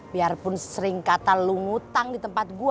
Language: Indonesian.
biarpun sering kata lu ngutang di tempat gue